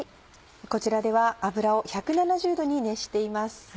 こちらでは油を１７０℃に熱しています。